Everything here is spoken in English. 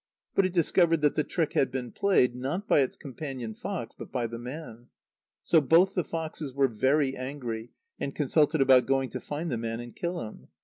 But it discovered that the trick had been played, not by its companion fox, but by the man. So both the foxes were very angry, and consulted about going to find the man and kill him.